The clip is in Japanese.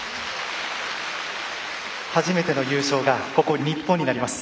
初めての優勝がここ日本になります。